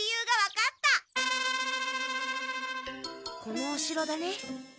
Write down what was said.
このお城だね。